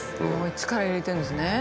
力入れてるんですね。